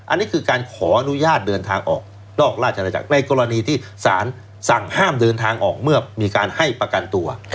อันนี้คือการขออนุญาตเดินทางออกนอกราชนาจักรในกรณีที่สารสั่งห้ามเดินทางออกเมื่อมีการให้ประกันตัว